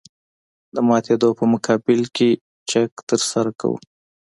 د ماتېدو په مقابل کې چک ترسره کوو